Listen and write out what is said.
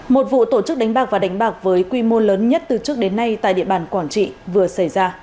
một vụ tổ chức đánh bạc và đánh bạc với quy mô lớn nhất từ trước đến nay tại địa bàn quảng trị vừa xảy ra